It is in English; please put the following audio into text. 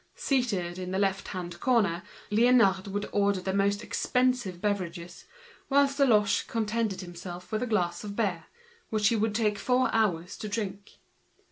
Seated in the left hand corner, Liénard went in for the dearest drinks, whilst Deloche contented himself with a glass of beer, which he would take four hours to drink.